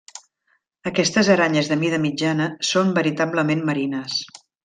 Aquestes aranyes de mida mitjana són veritablement marines.